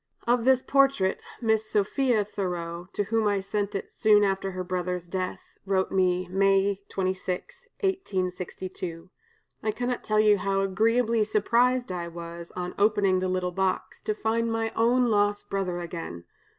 Of this portrait, Miss Sophia Thoreau, to whom I sent it soon after her brother's death, wrote me, May 26, 1862: 'I cannot tell you how agreeably surprised I was, on opening the little box, to find my own lost brother again.